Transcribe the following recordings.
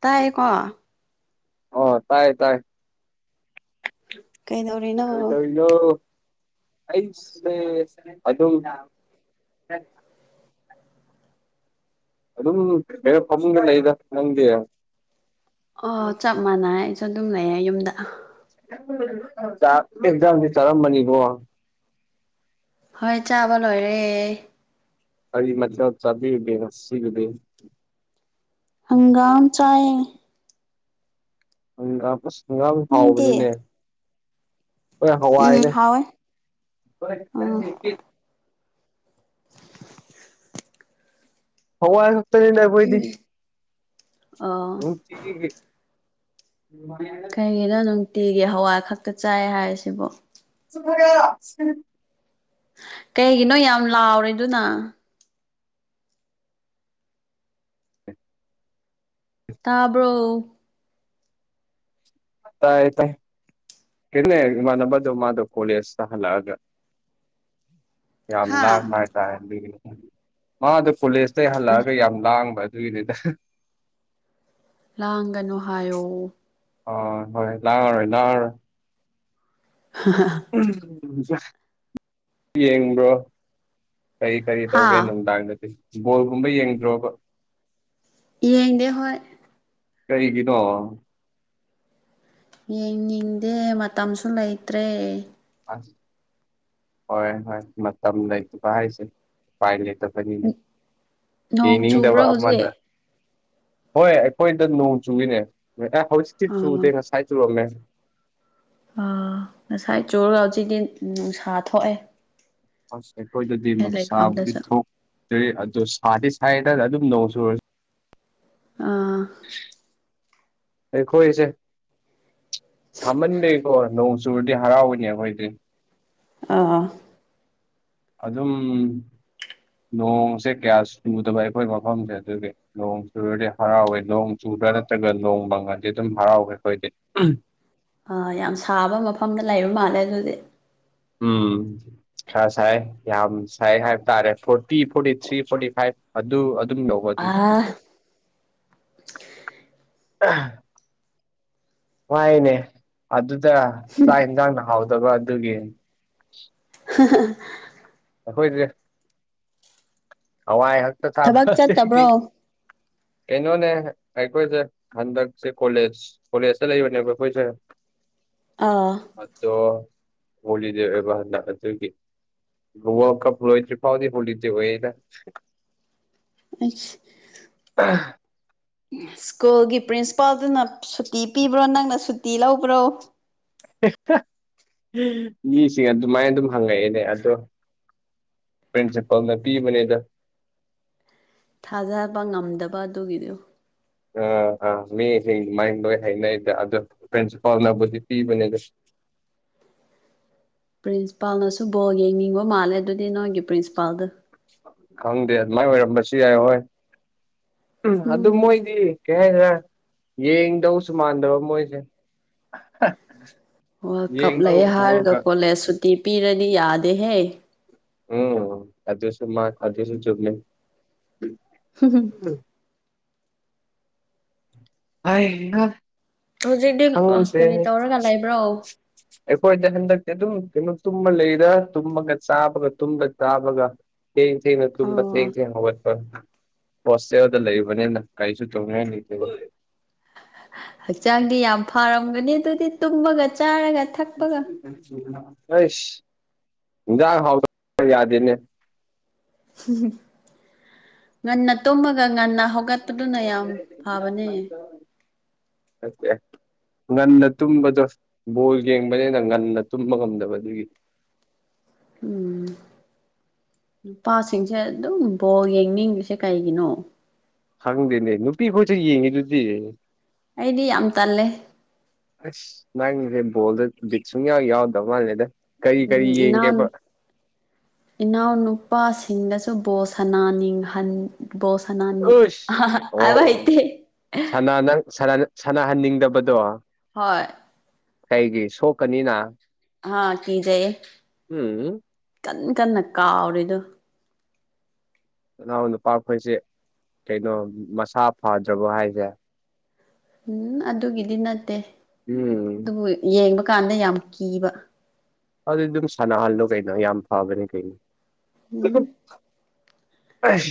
ꯇꯥꯏꯌꯦꯀꯣ ꯑꯣ ꯇꯥꯏ ꯇꯥꯏ ꯀꯩꯗꯧꯔꯤꯅꯣ [unintelligible] ꯅꯣ ꯑꯩꯁꯦ ꯑꯗꯨꯝ ꯑꯗꯨꯝ ꯀꯦꯔ ꯐꯃꯨꯡꯗ ꯂꯩꯗ ꯅꯪꯗꯤ ꯑꯣ ꯆꯞ ꯃꯥꯟꯅꯩ ꯑꯩꯁꯨ ꯑꯗꯨꯝ ꯂꯩꯌꯦ ꯌꯨꯝꯗ ꯆꯥꯛ ꯑꯦꯛꯖꯥꯝꯗꯤ ꯆꯥꯔꯝꯕꯅꯤꯕꯣ ꯍꯣꯏ ꯆꯥꯕ ꯂꯣꯏꯔꯦ ꯑꯩ ꯑꯩ ꯃꯆꯥ ꯆꯕꯤ ꯀꯩꯅꯣ ꯁꯤꯒꯤꯗꯤ ꯍꯪꯒꯥꯝ ꯆꯥꯏꯌꯦ ꯍꯪꯒꯝ ꯑꯁ ꯍꯪꯒꯝ ꯅꯪꯗꯤ ꯍꯥꯥꯎꯕꯅꯤꯅꯦ ꯍꯣꯏ ꯎꯝ ꯍꯋꯥꯏꯅꯦ ꯍꯥꯎꯋꯦ ꯎꯝ [unintelligible] ꯍꯋꯥꯏ ꯈꯛꯇꯅꯤꯗ ꯑꯈꯣꯏꯗꯤ ꯑꯣ ꯎꯝ [unintelligible] ꯑꯩꯒꯤꯅ ꯅꯨꯡꯇꯤꯒꯤ ꯍꯋꯥꯏ ꯈꯛꯇ ꯆꯥꯏ ꯍꯥꯏꯔꯁꯤꯕꯣ [unintelligible] ꯀꯩꯒꯤꯅꯣ ꯌꯥꯝ ꯂꯥꯎꯔꯤꯗꯨꯅ ꯇꯥꯕ꯭ꯔꯣ ꯇꯥꯏ ꯇꯥꯏ ꯀꯦꯅꯦ ꯏꯃꯥꯟꯅꯗꯨ ꯃꯥꯗ ꯀꯣꯂꯤꯑꯦꯁ ꯍꯜꯂꯒ ꯌꯥꯝ ꯍꯥ ꯂꯥꯡꯕ ꯍꯥꯏꯇꯥꯔꯦ ꯑꯗꯨꯒꯤ ꯃꯥ ꯑꯗꯨ ꯀꯣꯂꯦꯖꯇꯩ ꯍꯜꯂꯛꯑꯒ ꯌꯥꯝ ꯂꯥꯡꯕ ꯑꯗꯨꯒꯤꯅꯤꯗ ꯂꯥꯡꯒꯅꯨ ꯍꯥꯏꯌꯣ ꯍꯣꯏ ꯍꯣꯏ ꯂꯥꯡꯉꯥꯔꯣꯏ ꯂꯥꯡꯉꯥꯔꯣꯏ ꯍ ꯍꯥ ꯎꯝ ꯖꯥ ꯌꯦꯡꯕ꯭ꯔꯣ ꯀꯔꯤ ꯀꯔꯤ ꯍꯥ ꯇꯧꯒꯦ ꯅꯨꯡꯗꯥꯡꯗꯗꯤ ꯕꯣꯜꯒꯨꯝꯕ ꯌꯦꯡꯗ꯭ꯔꯣꯕ ꯌꯦꯏꯗꯦ ꯍꯣꯏ ꯀꯔꯤꯒꯤꯅꯣ ꯌꯦꯡꯅꯤꯡꯗꯦ ꯃꯇꯝꯁꯨ ꯂꯩꯇ꯭ꯔꯦ ꯑꯁ ꯍꯣꯏ ꯍꯣꯏ ꯃꯇꯝ ꯂꯩꯇꯕ ꯍꯥꯏꯁꯦ ꯎꯄꯥꯏ ꯂꯩꯇꯕ ꯕꯅꯤꯅꯦ ꯅꯣꯡ ꯆꯨꯕ꯭ꯔꯣ ꯌꯦꯡꯅꯤꯡꯗꯕ ꯑꯃꯅ ꯍꯧꯖꯤꯛ ꯍꯣꯏ ꯑꯩꯈꯣꯏꯗ ꯅꯣꯡ ꯆꯨꯏꯋꯤꯅꯦ ꯉꯥ ꯑꯦ ꯍꯧꯖꯤꯛꯇꯤ ꯑꯣ ꯆꯨꯗꯦ ꯉꯁ ꯁꯥꯏ ꯆꯨꯔꯝꯃꯦ ꯑ ꯉꯁꯥꯏ ꯆꯨꯔꯒ ꯍꯧꯖꯤꯛꯇꯤ ꯅꯨꯡꯁꯥ ꯊꯣꯛꯑꯦ ꯑꯁ ꯑꯩꯈꯣꯏꯗꯗꯤ ꯑꯩ ꯅꯨꯡꯁꯥꯕꯨꯗꯤ ꯂꯩꯐꯝꯗꯁꯨ ꯊꯣꯛꯇ꯭ꯔꯦ ꯑꯗꯣ ꯁꯥꯗꯤ ꯁꯥꯏꯌꯦꯗ ꯑꯗꯨꯝ ꯅꯣꯡ ꯁꯨꯔ ꯑꯥ ꯑꯩꯈꯣꯏꯁꯦ ꯁꯥꯃꯟꯕꯒꯤꯀꯣ ꯅꯣꯡ ꯆꯨꯔꯗꯤ ꯍꯔꯥꯎꯕꯅꯤ ꯑꯩꯈꯣꯏꯗꯤ ꯑꯥ ꯑꯥ ꯑꯗꯨꯝ ꯅꯣꯡꯁꯦ ꯀꯌꯥ ꯆꯨꯗꯕ ꯑꯩꯈꯣꯏ ꯃꯐꯝꯁꯦ ꯑꯗꯨꯒꯤ ꯅꯣꯡ ꯆꯨꯔꯗꯤ ꯍꯔꯥꯎꯋꯦ ꯅꯣꯡ ꯆꯨꯕ꯭ꯔꯥ ꯅꯠꯇ꯭ꯔꯒ ꯅꯣꯡ ꯃꯪꯉꯗꯤ ꯑꯗꯨꯝ ꯍꯔꯥꯎꯋꯦ ꯑꯩꯈꯣꯏꯗꯤ ꯑꯥ ꯌꯥꯝ ꯁꯥꯕ ꯃꯐꯝꯗ ꯂꯩꯕ ꯃꯥꯜꯂꯦ ꯑꯗꯨꯗꯤ ꯎꯝ ꯈꯔ ꯁꯥꯏ ꯌꯥꯝ ꯁꯥꯏ ꯍꯥꯏꯕ ꯇꯥꯔꯦ forty forty three forty five ꯑꯗꯨ ꯑꯗꯨꯝ ꯂꯧꯕ ꯑꯗꯨꯗꯤ ꯑꯥ ꯋꯥꯏꯅꯦ ꯑꯗꯨꯗ ꯆꯥꯛ ꯍꯦꯟꯖꯥꯡ ꯅꯥ ꯍꯥꯎꯇꯕ ꯑꯗꯨꯒꯤ [unintelligible] ꯑꯈꯣꯏꯗꯤ ꯍꯋꯥꯏ ꯍꯛꯇ ꯆꯥꯕ ꯊꯕꯛ ꯑꯗꯩꯗꯤ ꯆꯠꯇꯕ꯭ꯔꯣ ꯀꯩꯅꯣꯅꯦ ꯑꯩꯈꯣꯏꯁꯦ ꯍꯟꯗꯛꯁꯦ ꯀꯣꯂꯦꯖ ꯀꯣꯂꯦꯖꯇ ꯂꯩꯕꯅꯦꯕ ꯑꯩꯈꯣꯏꯁꯦ [inaudible] ꯑꯥ ꯑꯗꯣ ꯍꯣꯂꯤꯗꯦ ꯑꯣꯏꯕ ꯍꯟꯗꯛ ꯑꯗꯨꯒꯤ ꯋꯥ꯭ꯔꯜ ꯀꯞ ꯂꯣꯏꯗ꯭ꯔꯤꯐꯥꯎꯗꯤ ꯍꯣꯂꯤꯗꯦ ꯑꯣꯏꯌꯦꯗ ꯑꯩꯁ ꯁ꯭ꯀꯨꯜꯒꯤ ꯄ꯭ꯔꯤꯟꯁꯤꯄꯥꯜꯗꯨꯅ ꯁꯨꯇꯤ ꯄꯤꯕ꯭ꯔꯣ ꯅꯪꯅ ꯁꯨꯇꯤ ꯂꯧꯕ꯭ꯔꯣ ꯃꯤꯁꯤꯡ ꯑꯗꯨꯃꯥꯏꯅ ꯑꯗꯨꯝ ꯍꯪꯉꯛꯑꯦꯅꯦ ꯑꯗꯣ ꯄ꯭ꯔꯤꯟꯁꯤꯄꯥꯜꯅ ꯄꯤꯕꯅꯦꯗ ꯊꯥꯖꯕ ꯉꯝꯗꯕ ꯑꯗꯨꯒꯤꯗꯨ ꯑꯥ ꯑꯥ ꯃꯤꯁꯤꯡ ꯑꯗꯨꯃꯥꯏꯟ ꯂꯣꯏ ꯍꯥꯏꯅꯩꯗ ꯑꯗꯣ ꯄ꯭ꯔꯤꯟꯁꯤꯄꯥꯜꯅꯕꯨꯗꯤ ꯄꯤꯕꯅꯦꯗ ꯄ꯭ꯔꯤꯟꯁꯤꯄꯥꯜꯅꯁꯨ ꯕꯣꯜ ꯌꯦꯡꯅꯤꯡꯕ ꯃꯥꯜꯂꯦ ꯑꯗꯨꯗꯤ ꯅꯣꯏꯒꯤ ꯄ꯭ꯔꯤꯟꯁꯤꯄꯥꯜꯗꯣ ꯈꯪꯗꯦ ꯑꯗꯨꯃꯥꯏꯟ ꯑꯣꯏꯔꯝꯕꯁꯨ ꯌꯥꯏ ꯍꯣꯏ ꯎꯝ ꯑꯗꯨ ꯃꯣꯏꯗꯤ ꯀꯩ ꯍꯥꯏꯗ꯭ꯔꯥ ꯌꯦꯡꯗꯧꯁꯨ ꯃꯥꯟꯗꯕ ꯃꯣꯏꯖꯦ ꯋꯥ꯭ꯔꯜ ꯀꯞ ꯂꯩ ꯍꯥꯏꯔꯒ ꯀꯣꯂꯦꯖ ꯁꯨꯇꯤ ꯄꯤꯔꯗꯤ ꯌꯥꯗꯦꯍꯦ ꯎꯝ ꯑꯗꯨꯁꯨ ꯃꯥ ꯑꯗꯨꯁꯨ ꯆꯨꯝꯃꯤ [unintelligible] ꯎꯝ ꯑꯥꯏ ꯉꯛ ꯍꯧꯖꯤꯛꯇꯤ ꯑ ꯀꯔꯤ ꯇꯧꯔꯒ ꯂꯩꯕ꯭ꯔꯣ ꯑꯩꯈꯣꯏꯗꯤ ꯍꯟꯗꯛꯇꯤ ꯑꯗꯨꯝ ꯀꯩꯅꯣ ꯇꯨꯝꯃꯥ ꯂꯩꯗ ꯇꯨꯝꯕꯒ ꯆꯥꯕꯒ ꯇꯨꯝꯕ ꯆꯥꯕꯒ ꯊꯦꯡ ꯊꯦꯡꯅ ꯇꯨꯝꯕ ꯊꯦꯡ ꯑꯣ ꯊꯦꯡ ꯍꯧꯒꯠꯄ ꯍꯣꯁꯇꯦꯜꯗ ꯂꯩꯕꯅꯤꯅ ꯀꯔꯤꯁꯨ ꯇꯧꯅꯤꯡꯉꯥꯏ ꯂꯩꯇꯕ ꯍꯛꯆꯥꯡꯗꯤ ꯌꯥꯝ ꯐꯔꯝꯒꯅꯤ ꯑꯗꯨꯗꯤ ꯇꯨꯝꯃꯒ ꯆꯥꯔꯒ ꯊꯛꯄꯒ ꯑꯩꯁ ꯍꯤꯟꯖꯥꯡ ꯍꯥꯎꯇꯕ ꯌꯥꯗꯦꯅꯦ ꯉꯟꯅ ꯇꯨꯝꯃꯒ ꯉꯟꯅ ꯍꯧ [unintelligible] ꯉꯟꯅ ꯇꯨꯝꯕꯗꯣ ꯕꯣꯜ ꯌꯦꯡꯕꯅꯦꯅ ꯉꯟꯅ ꯇꯨꯝꯕ ꯉꯝꯗꯕ ꯑꯗꯨꯒꯤ ꯎꯝ ꯅꯨꯄꯥꯁꯤꯡꯁꯦ ꯑꯗꯨꯝ ꯕꯣꯜ ꯌꯦꯡꯅꯤꯡꯉꯤꯁꯦ ꯀꯩꯒꯤꯅꯣ ꯈꯪꯗꯦꯅꯦ ꯅꯨꯄꯤꯈꯣꯏꯁꯨ ꯌꯦꯡꯉꯤꯗꯨꯗꯤ ꯑꯩꯗꯤ ꯌꯥꯝ ꯇꯜꯂꯦ ꯑꯁ ꯅꯪꯖꯦ ꯕꯣꯜꯗ ꯕꯤꯠ ꯁꯨꯡꯌꯥꯎ ꯌꯥꯎꯗ ꯃꯥꯜꯂꯦꯗ ꯀꯔꯤ ꯀꯔꯤ ꯎꯝ ꯏꯅꯥꯅꯨ ꯌꯦꯡꯒꯦꯕ ꯏꯅꯥꯎꯅꯨꯄꯥꯁꯤꯡꯅꯁꯨ ꯕꯣꯜ ꯁꯟꯅꯥ ꯅꯤꯡꯍꯟ ꯕꯣꯜ ꯁꯟꯅꯥꯅꯤ ꯍꯥꯏꯕ ꯍꯩꯇꯦ ꯁꯥꯟꯅꯥ ꯅꯪ ꯁꯥꯅꯅ ꯁꯥꯟꯅꯥꯍꯟꯅꯤꯡꯗꯕꯗꯣ ꯍꯣꯏ ꯀꯩꯒꯤ ꯁꯣꯛꯀꯅꯤꯅ ꯍꯥꯥ ꯀꯤꯖꯩꯌꯦ ꯎꯝ ꯀꯟ ꯀꯟꯅ ꯀꯥꯎꯔꯤꯗꯨ ꯅꯅꯥꯎ ꯅꯨꯄꯥꯈꯣꯏꯁꯦ ꯀꯩꯅꯣ ꯃꯁꯥ ꯐꯥꯗ꯭ꯔꯕꯣ ꯍꯥꯏꯖꯦ ꯎꯝ ꯑꯗꯨꯒꯤꯗꯤ ꯅꯠꯇꯦ ꯎꯝ ꯗꯨꯕꯨ ꯌꯦꯡꯕ ꯀꯥꯟꯗ ꯌꯥꯝ ꯀꯤꯕ ꯑꯗꯨꯗꯤ ꯗꯨꯝ ꯁꯥꯟꯅꯍꯜꯂꯣ ꯀꯩꯅꯣ ꯌꯥꯝ ꯐꯕꯅꯤ ꯀꯩꯅꯣ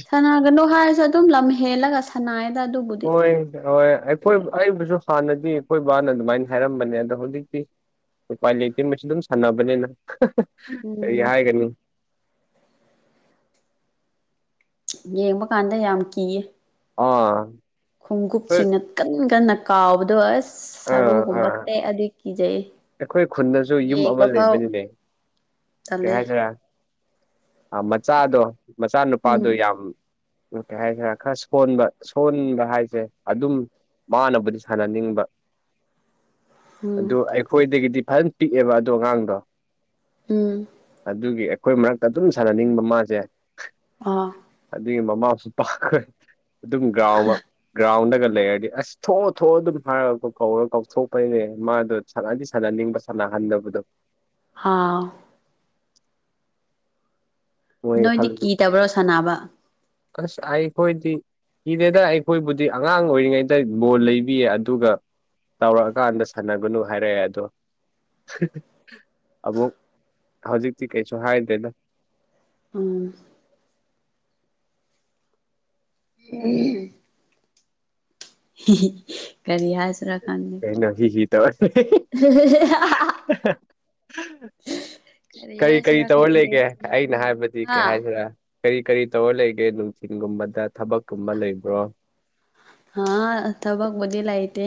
[unintelligible] ꯁꯅꯥꯒꯅꯣ ꯍꯥꯏꯔꯁꯨ ꯑꯗꯨꯝ ꯂꯝ ꯍꯦꯜꯂꯒ ꯁꯥ ꯁꯅꯥꯌꯦꯗ ꯑꯗꯨꯕꯨ ꯍꯣꯏ ꯗ ꯑꯣꯏ ꯑꯩꯈꯣꯏꯕꯨ ꯑꯩꯕꯨꯁꯨ ꯍꯥꯟꯅꯗꯤ ꯈꯣꯏ ꯕꯥꯅ ꯑꯗꯨꯃꯥꯏꯟ ꯍꯥꯏꯔꯝꯕꯅꯦ ꯑꯗꯣ ꯍꯧꯖꯤꯛꯇꯤ ꯎꯄꯥꯥꯏ ꯂꯩꯇꯦ ꯃꯁꯤ ꯗꯨꯝ ꯁꯥꯟꯅꯕꯅꯤꯅ ꯀꯔꯤ ꯎꯝ ꯍꯥꯏꯒꯅꯤ ꯌꯦꯡꯕ ꯀꯥꯟꯗ ꯌꯥꯝ ꯀꯤꯌꯦ ꯑꯥꯟ ꯈꯣꯡꯒꯨꯞꯁꯤꯡꯅ ꯀꯟ ꯀꯟꯅ ꯀꯥꯎꯕꯗꯣ ꯑꯁ ꯑꯥ ꯑꯥ ꯁꯔꯨꯒꯨꯝꯕ ꯇꯦꯑꯗꯤ ꯀꯤꯖꯩ ꯑꯩꯈꯣꯏ ꯈꯨꯟꯗꯖꯨ ꯌꯨꯝ ꯌꯦꯡꯕ ꯑꯃ ꯐꯥꯎ ꯂꯩꯕꯅꯤꯅꯦ ꯀꯩ ꯇꯜꯂꯦ ꯍꯥꯏꯁꯤꯔꯥ ꯑꯥ ꯃꯆꯥꯗꯣ ꯃꯆꯥꯅꯨꯄꯥꯥꯗꯣ ꯎꯝ ꯌꯥꯝ ꯎꯝ ꯀꯩ ꯍꯥꯏꯁꯤꯔꯥ ꯈꯔ ꯁꯣꯟꯕ ꯁꯣꯟꯕ ꯍꯥꯏꯁꯦ ꯑꯗꯨꯝ ꯃꯥꯅꯕꯨꯗꯤ ꯁꯥꯅꯅꯤꯡꯕ ꯎꯝ ꯑꯗꯨ ꯑꯩꯈꯣꯏꯗꯒꯤꯗꯤ ꯐꯟ ꯄꯤꯛꯑꯦꯕ ꯑꯗꯨ ꯑꯉꯥꯡꯗꯣ ꯎꯝ ꯑꯗꯨꯒꯤ ꯑꯩꯈꯣꯏ ꯃꯔꯛꯇ ꯑꯗꯨꯝ ꯁꯥꯟꯅꯅꯤꯡꯕ ꯃꯥꯖꯦ ꯑ ꯑꯗꯨꯒꯤ ꯃꯃꯥꯁꯨ ꯄꯥꯥꯈꯈ꯭ꯔꯦ ꯑꯗꯨꯝ ꯒ꯭ꯔꯥꯎꯋ ꯒ꯭ꯔꯥꯎꯟꯗꯒ ꯂꯩꯔꯗꯤ ꯑꯁ ꯊꯣꯑꯣ ꯊꯣꯑꯣ ꯑꯗꯨꯝ ꯍꯥꯏꯔꯒ ꯀꯧꯔ ꯀꯧꯊꯣꯛꯄꯩꯅꯦ ꯃꯥꯗꯣ ꯁꯥꯟꯅꯗꯤ ꯁꯥꯟꯅꯅꯤꯡꯕ ꯁꯥꯟꯅꯍꯟꯗꯕꯗꯣ ꯍꯥꯎ ꯃꯣꯏ ꯅꯣꯏꯗꯤ ꯈꯜꯂꯤ ꯀꯤꯗꯕ꯭ꯔꯣ ꯁꯥꯅꯥꯕ ꯑꯁ ꯑꯩꯈꯣꯏꯗꯤ ꯀꯤꯗꯦꯗ ꯑꯩꯈꯣꯏꯕꯨꯗꯤ ꯑꯉꯥꯡ ꯑꯣꯏꯔꯤꯉꯩꯗ ꯕꯣꯜ ꯂꯩꯕꯤꯌꯦ ꯑꯗꯨꯒ ꯇꯥꯎꯔꯛꯑꯀꯥꯟꯗ ꯁꯥꯟꯅꯒꯅꯨ ꯍꯥꯏꯔꯦꯑꯦ ꯑꯗꯣ ꯑꯃꯨꯛ ꯍꯧꯖꯤꯛꯇꯤ ꯀꯩꯁꯨ ꯍꯥꯏꯗꯦꯗ ꯎꯝ [unintelligible] ꯍꯤꯍꯤ ꯀꯔꯤ ꯍꯥꯏꯁꯤꯔꯥ꫰ ꯈꯪꯗꯦ ꯀꯩꯅꯖꯤꯖꯤ ꯇꯧꯔꯥ [inaudible] ꯀꯔꯤ ꯀꯏ ꯀꯏ ꯍꯥꯏꯁꯤꯔꯥ ꯇꯧꯔ ꯈꯪꯗꯦ ꯂꯩꯒꯦ ꯑꯩꯅ ꯅꯣꯛꯅꯤꯡꯉꯦ ꯍꯥꯏꯕꯗꯤ ꯀꯩ ꯍꯥ ꯍꯥꯏꯁꯤꯔ꫰ ꯀꯏ ꯀꯏ ꯇꯧꯔ ꯂꯩꯒꯦ ꯅꯨꯡꯊꯤꯟꯒꯨꯝꯕꯗ ꯊꯕꯛꯀꯨꯝꯕ ꯂꯩꯕ꯭ꯔꯣ꯫ ꯍꯥꯥꯑ ꯊꯕꯛ ꯕꯨꯗꯤ ꯂꯥꯏꯇꯦ꯫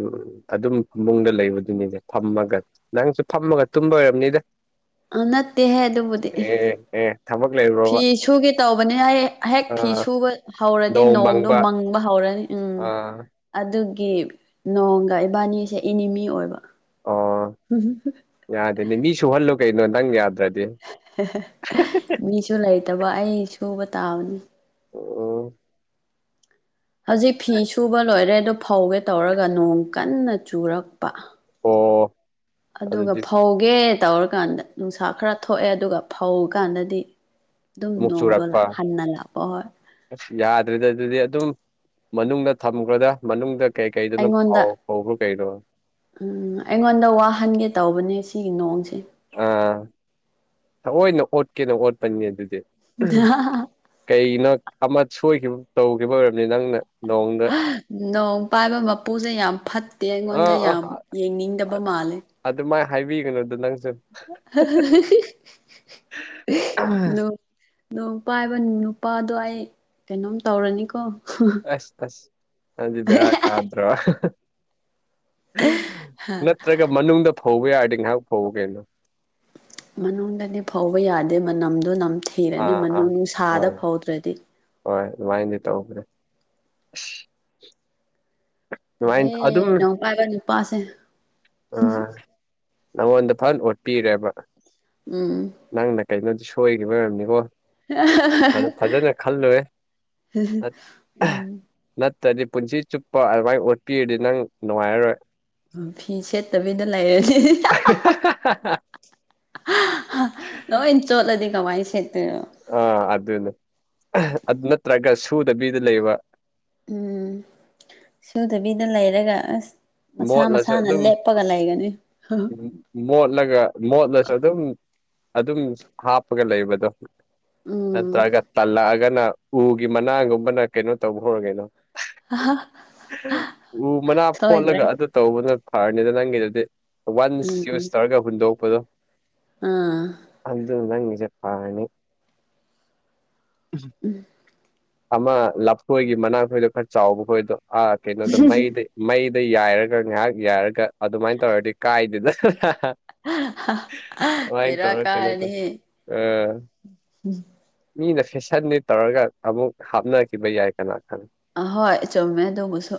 ꯎꯝ ꯑꯗꯨꯝ ꯐꯃꯨꯡꯗ ꯂꯩꯕꯗꯨꯅꯤꯗ ꯐꯝꯃꯒ ꯅꯪꯁꯨ ꯐꯝꯃꯒ ꯇꯨꯝꯕꯒ ꯑꯣꯏꯔꯝꯅꯤꯗ꯫ ꯑꯥ ꯅꯠꯇꯦꯍꯦ ꯑꯗꯨꯕꯨꯗꯤ꯫ ꯑꯦ ꯑꯦ ꯊꯕꯛ ꯂꯩꯕ꯭ꯔꯣ꯫ ꯐꯤ ꯁꯨꯒꯦ ꯇꯧꯕꯅꯤ ꯍꯩ ꯍꯦꯛ ꯐꯤ ꯑꯥ ꯁꯨꯕ ꯍꯧꯔꯗꯤ ꯅꯣꯡꯗꯣ ꯃꯪꯕ ꯍꯧꯔꯅꯤ ꯎꯝ꯫ ꯑꯍꯥ꯫ ꯑꯗꯨꯒꯤ ꯅꯣꯡꯒ ꯏꯕꯥꯅꯤꯁꯦ ꯏꯅꯤꯃꯤ ꯑꯣꯏꯕ ꯑꯣ ꯍꯨ ꯍꯨ ꯍꯨꯝ꯫ ꯌꯥꯗꯦꯅꯦ ꯃꯤ ꯁꯨꯍꯜꯂꯨ ꯀꯩꯅꯣ ꯅꯪ ꯌꯥꯗ꯭ꯔꯗꯤ꯫ ꯃꯤꯁꯨ ꯂꯩꯇꯕ ꯑꯩ ꯁꯨꯕ ꯇꯕꯅꯤ꯫ ꯎꯝ꯫ ꯍꯧꯖꯤꯛ ꯐꯤ ꯁꯨꯕ ꯂꯣꯏꯔꯦ ꯑꯗꯨ ꯐꯧꯒꯦ ꯇꯧꯔꯒ ꯅꯣꯡ ꯀꯟꯅ ꯆꯨꯔꯛꯄ꯫ ꯑꯣ ꯑꯗꯨꯒ ꯑꯗꯨꯗꯤ ꯐꯧ꫰ ꯒꯦ ꯇꯧꯔꯀꯥꯟꯗ ꯅꯨꯡꯁꯥ ꯈꯔ ꯊꯣꯛꯑꯦ ꯑꯗꯨꯒ ꯐꯧ ꯀꯥꯟꯗꯗꯤ꫰ ꯗꯨꯝ ꯑꯃꯨꯛ ꯅꯣꯡꯗꯣꯂꯥ ꯆꯨꯔꯛꯄ ꯍꯟꯅ ꯂꯥꯛ ꯑꯣꯏ꯫ ꯑꯁ ꯌꯥꯗ꯭ꯔꯦꯗ ꯑꯗꯨꯗꯤ ꯑꯗꯨꯝ ꯃꯅꯨꯡꯗ ꯊꯝꯒꯔꯣꯗ ꯃꯅꯨꯡꯗ꯫ ꯀꯩꯀꯩꯗꯅꯣ ꯐꯥꯎ ꯑꯩꯉꯣꯟꯗ ꯐꯧꯕ꯭ꯔꯥ ꯀꯩꯅꯣ꯫ ꯎꯝ ꯑꯩꯉꯣꯟꯗ ꯋꯥꯍꯟꯒꯦ ꯇꯧꯕꯅꯦ ꯁꯤꯒꯤ ꯅꯣꯡꯁꯦ꯫ ꯑꯥ ꯊꯑꯣꯏꯅ ꯑꯣꯠꯀꯦꯅ ꯑꯣꯠꯄꯅꯤ ꯑꯗꯨꯗꯤ꯫ [unintelligible] ꯀꯩꯅꯣ ꯑꯃ ꯁꯣꯏꯈꯤꯕꯝ ꯇꯧꯈꯤꯕ ꯑꯣꯏꯔꯝꯅꯤ ꯅꯪꯅ꯫ ꯅꯣꯡꯗ ꯅꯣꯡ ꯄꯥꯏꯕ ꯃꯄꯨꯖꯦ ꯌꯥꯝ ꯐꯠꯇꯦ ꯑꯩꯉꯣꯟꯗ ꯑꯥ ꯑꯥ ꯌꯥꯝ ꯌꯦꯡꯅꯤꯡꯗꯕ ꯃꯥꯜꯂꯦ꯫ ꯑꯗꯨꯃꯥꯏ ꯍꯥꯏꯕꯤꯒꯅꯨꯗ ꯅꯪꯖꯨ꯫ [unintelligible] ꯅꯣꯛ ꯅꯣꯡ ꯄꯥꯏꯕ ꯅꯨꯄꯥꯗꯣ ꯑꯩ ꯀꯩꯅꯣꯝ ꯇꯧꯔꯅꯤꯀꯣ꯫ ꯑꯁ ꯑꯁ ꯑꯗꯨꯗꯤ ꯕꯦꯔꯥ ꯀꯥꯗ꯭ꯔꯣ ꯅꯠ ꯇ꯭ꯔꯒ ꯃꯅꯨꯡꯗ ꯐꯧꯕ ꯌꯥꯔꯗꯤ ꯉꯥꯏꯍꯥꯛ ꯐꯧ ꯀꯩꯅꯣ꯫ ꯃꯅꯨꯡꯗꯗꯤ ꯐꯧꯕ ꯌꯥꯗꯦ ꯃꯅꯝꯗꯨ ꯅꯝ ꯊꯤꯔꯅꯤ ꯑꯥ ꯑꯥ ꯃꯅꯨꯡ ꯁꯥꯗ ꯍꯣꯏ ꯐꯧꯗ꯭ꯔꯗꯤ꯫ ꯍꯣꯏ ꯑꯗꯨꯃꯥꯏꯅꯗꯤ ꯇꯧꯕꯅꯦ꯫ ꯗꯨꯃꯥꯏꯟ ꯇꯜꯂꯦ ꯑꯗꯨꯝ ꯅꯣꯡ ꯄꯥꯏꯕ ꯅꯨꯄꯥꯁꯦ ꯑ꫰ ꯅꯪꯉꯣꯟꯗ ꯐꯟ ꯑꯣꯠꯄꯤꯔꯦꯕ꯫ ꯎꯝ ꯅꯪꯅ ꯀꯩꯅꯣꯗꯤ ꯁꯣꯏꯒꯤꯕꯩ ꯑꯣꯏꯔꯝꯅꯤꯀꯣ꯫ ꯐꯖ ꯐꯖꯅ ꯈꯜꯂꯨꯍꯦ ꯑꯥꯠ ꯅꯠꯇꯗꯤ ꯄꯨꯟꯁꯤ ꯆꯨꯞꯄ ꯑꯗꯨꯃꯥꯏ ꯑꯣꯠꯄꯤꯔꯗꯤ ꯅꯪ ꯅꯨꯡꯉꯥꯏꯔꯔꯣꯏ꯫ ꯎꯝ ꯐꯤ ꯁꯦꯠꯇꯕꯤꯗ ꯂꯩꯔꯗꯤ [unintelligible] [unintelligible] ꯂꯣꯏ ꯆꯣꯠꯂꯗꯤ ꯀꯃꯥꯏ ꯁꯦꯠꯇꯣꯏ [unintelligible] ꯑꯥ ꯑꯗꯨꯅꯦ ꯑꯗꯨ ꯅꯠꯇ꯭ꯔꯒ ꯁꯨꯗꯕꯤꯗ ꯂꯩꯕ꯫ ꯎꯝ ꯁꯨꯗꯕꯤꯗ ꯂꯩꯔꯒ ꯑꯁ ꯃꯁꯥ ꯃꯣꯠꯂꯁꯨ ꯃꯁꯥꯅ ꯑꯗꯨꯝ ꯂꯦꯞꯄꯒ ꯂꯩꯒꯅꯤ꯫ ꯃꯣꯠꯂꯒ ꯃꯣꯠꯂꯁꯨ ꯑꯗꯨꯝ ꯑꯗꯨꯝ ꯍꯥꯞꯄꯒ ꯂꯩꯕꯗꯣ ꯎꯝ ꯅꯠꯇ꯭ꯔꯒ ꯇꯜꯂꯛꯑꯒꯅ ꯎꯒꯤ ꯃꯅꯥꯒꯨꯝꯕꯅ ꯀꯩꯅꯣ ꯇꯧꯕ ꯍꯧꯔꯒꯦꯅꯣ ꯎ ꯃꯅꯥ ꯁꯣꯏꯗ꯭ꯔꯦ ꯐꯣꯠꯂꯒ ꯑꯗꯨ ꯇꯧꯕꯅ ꯐꯔꯅꯤꯗ ꯅꯪꯒꯤꯗꯨꯗꯤ ꯋꯥꯟꯁ ꯌꯨꯁ ꯎꯝ ꯇꯧꯔꯒ ꯍꯨꯟꯗꯣꯛꯄꯗꯣ ꯑꯥ ꯑꯗꯨꯅ ꯅꯪꯒꯤꯖꯦ ꯐꯔꯅꯤ ꯎꯝ ꯑꯃ ꯂꯐꯣꯏꯒꯤ ꯃꯅꯥ ꯈꯣꯏꯗꯣ ꯈꯔ ꯆꯥꯎꯕ ꯈꯣꯏꯗꯣ ꯑ ꯀꯩꯅꯣꯗ ꯃꯩꯗ ꯃꯩꯗ ꯌꯥꯏꯔꯒ ꯉꯥꯏꯍꯥꯛ ꯌꯥꯏꯔꯒ ꯑꯗꯨꯃꯥꯏꯅ ꯇꯧꯔꯗꯤ ꯀꯥꯏꯗꯦꯗ ꯑꯗꯨꯃꯥꯏꯅ ꯕꯦꯔꯥ ꯇꯧꯔ ꯀꯩꯅꯣ ꯇꯧ ꯀꯥꯔꯅꯤꯍꯦ ꯑ [unintelligible] ꯃꯤꯅ ꯐꯦꯁꯟꯅꯤ ꯇꯧꯔꯒ ꯑꯃꯨꯛ ꯍꯥꯞꯅꯈꯤꯕ ꯌꯥꯏ ꯀꯅꯥ ꯈꯪ ꯑꯍꯣꯏ ꯆꯨꯝꯃꯦ ꯑꯗꯨꯕꯨꯁꯨ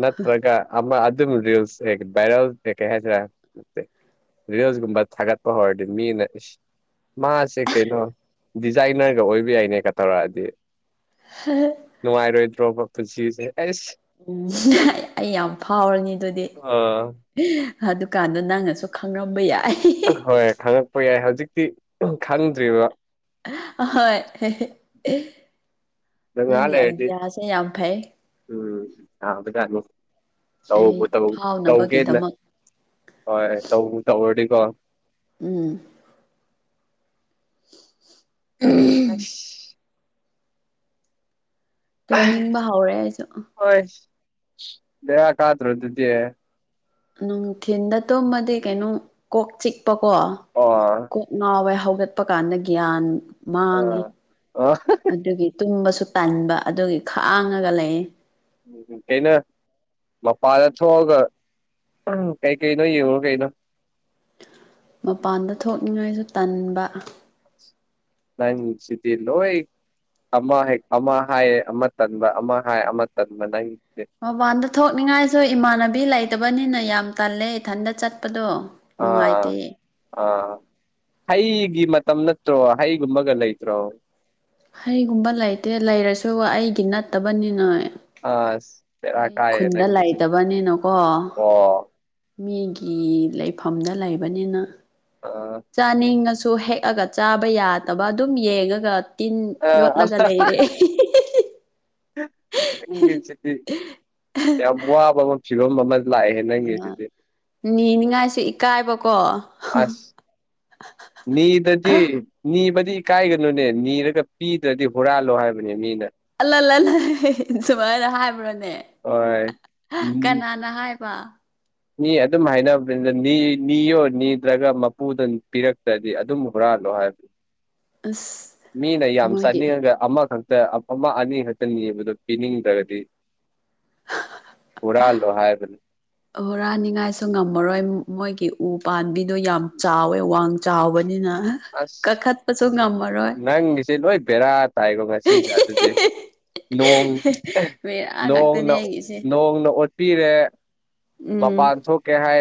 ꯅꯠꯇ꯭ꯔꯒ ꯑꯃ ꯑꯗꯨꯝ ꯔꯤꯜꯁ ꯑꯦ ꯚꯥꯏꯔꯦꯜ ꯀꯩꯀꯩ ꯍꯥꯏꯁꯤꯔꯥ ꯅꯠꯇꯦ ꯔꯤꯜꯁꯒꯨꯝꯕ ꯊꯥꯒꯠꯄ ꯍꯧꯔꯗꯤ ꯃꯤꯅ ꯏꯁ ꯃꯥꯁꯦ ꯀꯩꯅꯣ ꯗꯤꯖꯥꯏꯅꯔꯒ ꯑꯣꯏꯕ ꯌꯥꯏꯅꯦꯒ ꯇꯧꯔꯛꯑꯗꯤ [unintelligible] ꯅꯨꯡꯉꯥꯏꯔꯣꯏꯗ꯭ꯔꯣꯕ ꯄꯨꯟꯁꯤꯁꯦ ꯑꯩꯁ ꯎꯝ ꯑꯩ ꯌꯥꯝ ꯐꯥꯎꯔꯅꯤ ꯑꯗꯨꯗꯤ ꯑ ꯑꯗꯨꯀꯥꯟꯗ ꯅꯪꯅꯁꯨ ꯈꯪꯔꯝꯕ ꯌꯥꯏ ꯍꯣꯏ ꯈꯪꯉꯛꯄ ꯌꯥꯏ ꯍꯧꯖꯤꯛꯇꯤ ꯈꯪꯗ꯭ꯔꯤꯕ ꯑꯍꯣꯏ [unintelligible] ꯉꯥꯍꯥꯛ ꯅꯪꯒꯤ ꯂꯩꯔꯗꯤ ꯑꯥꯏꯗꯤꯌꯥꯁꯦ ꯌꯥꯝ ꯐꯩ ꯎꯝ ꯌꯥꯕꯖꯥꯠꯅꯤ ꯑꯩ ꯇꯧꯕꯨ ꯇꯧ ꯇꯧꯒꯦꯅ ꯐꯥꯎꯅꯕꯒꯤꯗꯃꯛ ꯍꯣꯏ ꯇꯧꯕꯨ ꯇꯧꯔꯗꯤꯀꯣ ꯎꯝ ꯅꯠꯁ ꯇꯨꯝꯅꯤꯡꯕ ꯍꯧꯔꯦ ꯑꯩꯖꯨ ꯍꯣꯏꯁ ꯕꯦꯔꯥ ꯀꯥꯗ꯭ꯔꯣ ꯑꯗꯨꯗꯤ ꯅꯨꯡꯊꯤꯟꯗ ꯇꯨꯝꯃꯗꯤ ꯀꯩꯅꯣꯝ ꯀꯣꯛ ꯆꯤꯛꯄꯀꯣ ꯑꯣ ꯀꯣꯛ ꯉꯥꯎꯋꯦ ꯍꯧꯒꯠꯄ ꯀꯥꯟꯗ ꯒ꯭ꯌꯥꯟ ꯃꯥꯡꯉꯤ ꯑ ꯑꯗꯨꯒꯤ ꯇꯨꯝꯕꯁꯨ ꯇꯟꯕ ꯑꯗꯨꯒꯤ ꯈꯥꯡꯉꯒ ꯂꯩ ꯎꯝ ꯎꯝ ꯀꯩꯩꯅꯣ ꯃꯄꯥꯟꯗ ꯊꯣꯛꯑꯒ ꯎꯝ ꯀꯩꯀꯩꯅꯣ ꯌꯦꯡꯉꯨꯔꯣ ꯀꯩꯅꯣ ꯃꯄꯥꯟꯗ ꯊꯣꯛꯅꯤꯡꯉꯥꯏꯁꯨ ꯇꯟꯕ ꯅꯪꯁꯤꯗꯤ ꯂꯣꯏ ꯑꯃ ꯍꯦꯛ ꯑꯃ ꯍꯥꯏꯌꯦ ꯑꯃ ꯇꯟꯕ ꯑꯃ ꯍꯥꯏ ꯑꯃ ꯇꯟꯕ ꯅꯪꯗꯤ ꯃꯄꯥꯟꯗ ꯊꯣꯛꯅꯤꯡꯉꯥꯏꯁꯨ ꯏꯃꯥꯟꯅꯕꯤ ꯂꯩꯇꯕꯅꯤꯅ ꯌꯥꯝ ꯇꯜꯂꯦ ꯏꯊꯟꯇ ꯆꯠꯄꯗꯣ ꯅꯨꯡꯉꯥꯏꯇꯦ ꯑꯥ ꯑꯥ ꯍꯩꯒꯤ ꯃꯇꯝ ꯅꯠꯇ꯭ꯔꯣ ꯍꯩꯒꯨꯝꯕꯒ ꯂꯩꯇ꯭ꯔꯣ ꯍꯩꯒꯨꯝꯕ ꯂꯩꯇꯦ ꯂꯩꯔꯁꯨ ꯑꯩꯒꯤ ꯅꯠꯇꯕꯅꯤꯅ ꯑꯁ ꯕꯦꯔꯥ ꯑꯩ ꯀꯥꯏꯌꯦ ꯈꯨꯟꯗ ꯅꯪꯒꯤꯁꯤ ꯂꯩꯇꯕꯅꯤꯅꯀꯣ ꯑꯣ ꯃꯤꯒꯤ ꯂꯩꯐꯝꯗ ꯂꯩꯕꯅꯤꯅ ꯑ ꯆꯥꯅꯤꯡꯉꯁꯨ ꯍꯦꯛꯑꯒ ꯆꯥꯕ ꯌꯥꯗꯕ ꯑꯗꯨꯝ ꯌꯦꯡꯉꯒ ꯇꯤꯟ ꯑꯥ ꯌꯣꯠꯂꯒ ꯂꯩꯔꯦ ꯆ ꯌꯥꯝꯃꯕ ꯊꯤꯒꯝ [unintelligible] ꯑ ꯅꯦꯡꯅꯤꯡꯉꯥꯏꯁꯦ ꯏꯀꯥꯏꯕꯀꯣ ꯑꯁ ꯅꯤꯗꯗꯤ ꯅꯤꯕꯗꯤ ꯏꯀꯥꯏꯒꯅꯨꯅꯦ ꯅꯤꯔꯒ ꯄꯤꯗ꯭ꯔꯗꯤ ꯍꯨꯔꯥꯜꯂꯣ ꯍꯥꯏꯕꯅꯦ ꯃꯤꯅ ꯑꯜꯂꯜ ꯂꯂ ꯁꯨꯃꯥꯏꯅ ꯍꯥꯏꯕ꯭ꯔꯣꯅꯦ ꯍꯣꯏ ꯎꯝ ꯀꯅꯥꯅ ꯍꯥꯏꯕ ꯃꯤ ꯑꯗꯨꯝ ꯍꯥꯏꯅꯕꯅꯤꯗ ꯅꯤ ꯌꯣ ꯅꯤꯗꯔꯒ ꯃꯄꯨꯗ ꯄꯤꯔꯛꯇ꯭ꯔꯗꯤ ꯑꯗꯨꯝ ꯍꯨꯔꯥꯜꯂꯣ ꯍꯥꯏꯕꯅꯤ ꯑꯁ ꯃꯤ ꯅ ꯃꯣꯏꯒꯤ ꯆꯥꯅꯤꯡꯑꯒ ꯑꯃꯈꯛꯇ ꯑꯃ ꯑꯅꯤ ꯈꯛꯇ ꯅꯤꯕꯗꯣ ꯄꯤꯅꯤꯡꯗ꯭ꯔꯗꯤ ꯍꯨꯔꯥꯜꯂꯣ ꯍꯥꯏꯕ ꯍꯨꯔꯥꯅꯤꯉꯥꯏꯁꯨ ꯉꯝꯃꯔꯣꯏ ꯃꯣꯏꯒꯤ ꯎ ꯄꯥꯕꯤꯗꯣ ꯌꯥꯝ ꯆꯥꯎꯋꯦ ꯋꯥꯡ ꯆꯥꯎꯕꯅꯤꯅ ꯑꯁ ꯀꯥꯈꯠꯄꯁꯨ ꯉꯝꯃꯔꯣꯏ ꯅꯪꯒꯤꯁꯦ ꯂꯣꯏ ꯕꯦꯔꯥ ꯇꯥꯏꯀꯣ ꯉꯁꯤꯁꯦ ꯑꯗꯨꯗꯤ ꯅꯣꯡ ꯑꯦ ꯕꯦꯔꯥ ꯉꯥꯛꯇꯅꯦ ꯅꯣꯡꯅ ꯑꯩꯒꯤꯁꯦ ꯅꯣꯡꯅ [unintelligible] ꯄꯤꯔꯦ ꯎꯝ ꯃꯄꯥꯟ ꯊꯣꯛꯀꯦ ꯍꯥꯏ